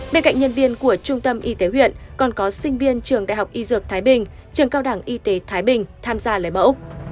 bên cạnh nhân viên của trung tâm y tế huyện còn có sinh viên trường đại học y dược thái bình trường cao đẳng y tế thái bình tham gia lấy mẫu